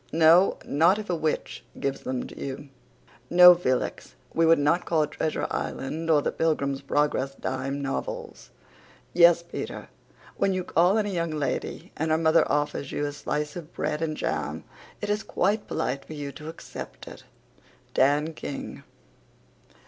No, not if a witch gives them to you. No, F l x, we would not call Treasure Island or the Pilgrim's Progress dime novels. Yes, P t r, when you call on a young lady and her mother offers you a slice of bread and jam it is quite polite for you to accept it. DAN KING.